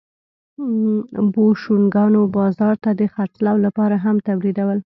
بوشونګانو بازار ته د خرڅلاو لپاره هم تولیدول